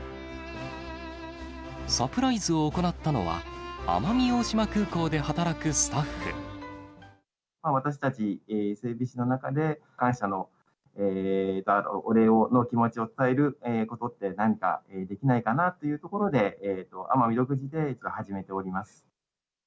サプライズを行ったのは、私たち、整備士の中で感謝の、お礼の気持ちを伝えることって何かできないかなということで、奄美独自で始めております。